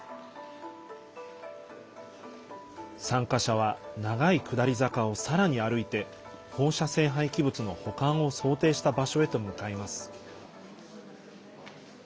参加者は長い下り坂をさらに歩いて放射性廃棄物の保管を想定した場所へと向かいます。